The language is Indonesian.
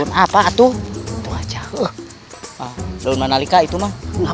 pun apa tuh dua jahul studios benda nalika itu mah nggak